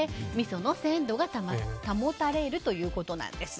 その鮮度が保たれるということなんです。